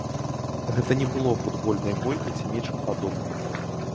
Гэта не было футбольнай бойкай ці нечым падобным.